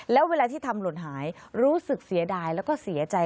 แล้วเวลาที่ทำหล่นหายรู้สึกเสียดายแล้วก็เสียใจ